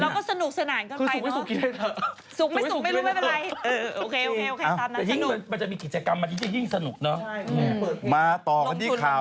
มันมันสนุกคงสนุกกันแหละ